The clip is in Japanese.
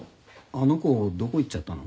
あの子どこ行っちゃったの？